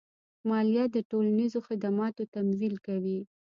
مالیه د ټولنیزو خدماتو تمویل کوي.